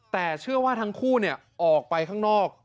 แต่เชื่อว่าทั้งคู่ออกไปข้างนอก